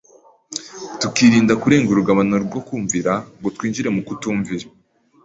tukirinda kurenga urugabano rwo kumvira ngo twinjire mu kutumvira